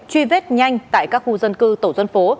truy vết nhanh tại các khu dân cư tổ dân phố